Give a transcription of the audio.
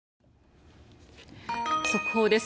速報です。